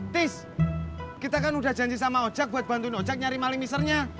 tis kita kan udah janji sama ojek buat bantuin ojek nyari malingisernya